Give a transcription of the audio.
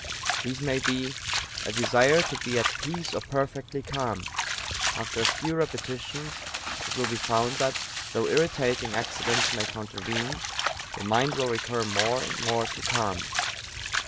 These may be: A desire to be at peace or perfectly calm. After a few repetitions it will be found that, though irritating accidents may countervene, the mind will recur more and more to calm.